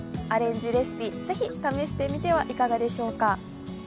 アレンジレシピ、ぜひ試してみてはいかがでしょうか。